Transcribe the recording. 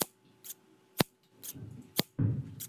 海明格是德国巴伐利亚州的一个市镇。